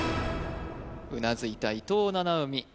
うなずいた伊藤七海